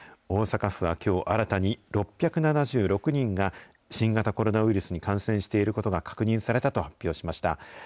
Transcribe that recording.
大阪府はきょう、新たに６７６人が、新型コロナウイルスに感染していることが確認されたと発表しました。